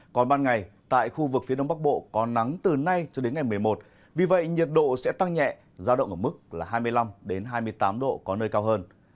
còn ban ngày tại khu vực phía đông bắc bộ có nắng từ nay cho đến ngày một mươi một vì vậy nhiệt độ sẽ tăng nhẹ giao động ở mức hai mươi năm hai mươi tám độ có nơi cao hơn